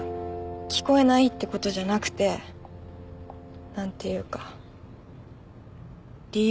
聞こえないってことじゃなくて何ていうか理由？